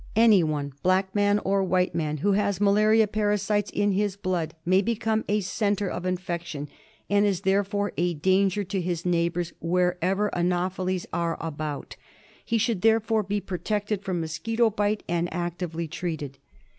Anyone, black man or white man, who has malaria parasites in his. blood may become a centre of infection, and is therefore a danger to his neighbours wherever anopheles are about. He should therefore be protected from mosquito bite and actively treated.